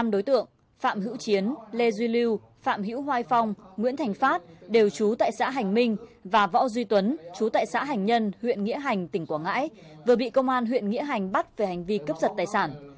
năm đối tượng phạm hữu chiến lê duy lưu phạm hữu hoa phong nguyễn thành phát đều trú tại xã hành minh và võ duy tuấn chú tại xã hành nhân huyện nghĩa hành tỉnh quảng ngãi vừa bị công an huyện nghĩa hành bắt về hành vi cướp giật tài sản